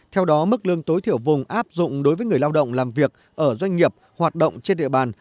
theo đó mức lương tối thiểu vùng áp dụng đối với người lao động làm việc ở doanh nghiệp hoạt động trên địa bàn